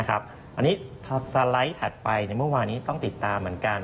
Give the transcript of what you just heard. อันนี้สไลด์ถัดไปในเมื่อวานี้ต้องติดตามเหมือนกัน